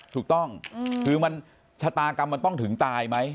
ถูกต้องคือมันชะตากรรมมันต้องถึงตายไหม